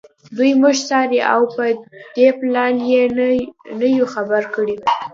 دوی موږ څاري او په دې پلان یې نه یو خبر کړي